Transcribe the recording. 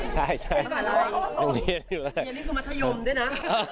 จะเรียนจนกล่ามัธยมด้วยนะ